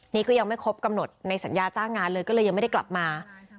นี่ก็ยังไม่ครบกำหนดในสัญญาจ้างงานเลยก็เลยยังไม่ได้กลับมา